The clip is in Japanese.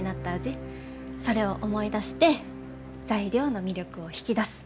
それを思い出して材料の魅力を引き出す。